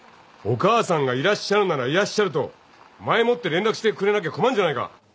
お母さんがいらっしゃるならいらっしゃると前もって連絡してくれなきゃ困んじゃないか。